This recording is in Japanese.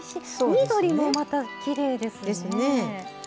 緑もまたきれいですね。ですね。